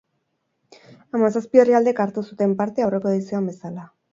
Hamazazpi herrialdek hartu zuten parte, aurreko edizioan bezala.